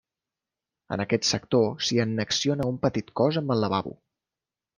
En aquest sector s'hi annexiona un petit cos amb el lavabo.